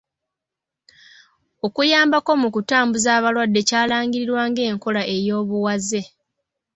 Okuyambako mu kutambuza abalwadde kyalangirirwa ng’enkola ey’obuwaze.